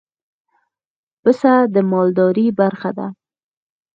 پسه د مالدارۍ برخه ده.